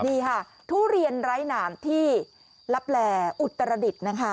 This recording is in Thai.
นี่ค่ะทุเรียนไร้หนามที่ลับแหล่อุตรดิษฐ์นะคะ